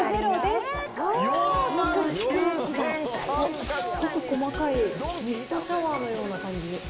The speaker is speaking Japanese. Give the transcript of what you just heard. すごく細かいミストシャワーのような感じ。